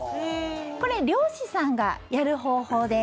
これ、漁師さんがやる方法です。